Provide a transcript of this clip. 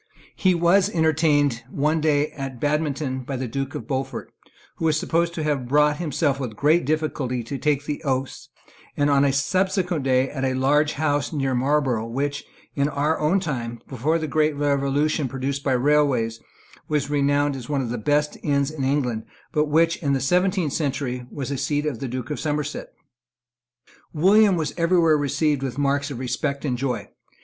He was entertained one day at Badminton by the Duke of Beaufort, who was supposed to have brought himself with great difficulty to take the oaths, and on a subsequent day at a large house near Marlborough which, in our own time, before the great revolution produced by railways, was renowned as one of the best inns in England, but which, in the seventeenth century, was a seat of the Duke of Somerset. William was every where received with marks of respect and joy.